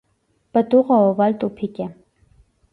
Պտուղը օվալ տուփիկ է։